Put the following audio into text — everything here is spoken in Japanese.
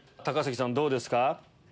高杉さんどうですか？